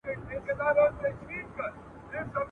او پر ځان یې حرام کړي وه خوبونه ..